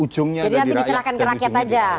jadi nanti diserahkan ke rakyat aja